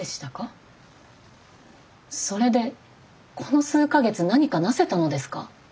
それでこの数か月何か成せたのですか？